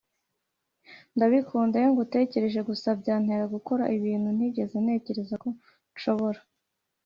ndabikunda iyo ngutekereje gusa byantera gukora ibintu ntigeze ntekereza ko nshobora.